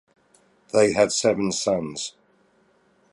They had seven sons.